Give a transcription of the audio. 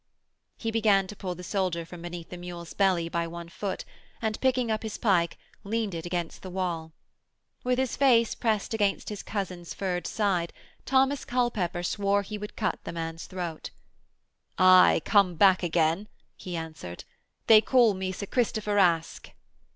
He bent to pull the soldier from beneath the mule's belly by one foot, and picking up his pike, leaned it against the wall. With his face pressed against his cousin's furred side, Thomas Culpepper swore he would cut the man's throat. 'Aye, come back again,' he answered. 'They call me Sir Christopher Aske.'